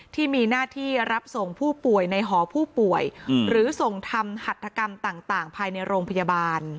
ที่มีหน้าที่รับส่งผู้ป่วยในหอผู้ป่วยหรือส่งทำหัตถกรรมต่างภายในโรงพยาบาล